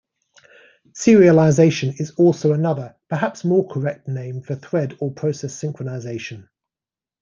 Serialization is also another, perhaps more correct name for thread or process synchronization.